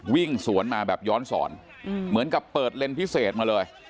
วิ่งสวนมาแบบย้อนสอนเหมือนกับเปิดเลนส์พิเศษมาเลย